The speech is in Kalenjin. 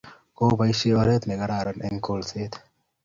Kopaishe oret ne kararan eng kolset